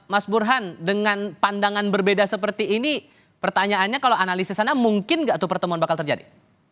mas burhan dengan pandangan berbeda seperti ini pertanyaannya kalau analisis anda mungkin nggak tuh pertemuan bakal terjadi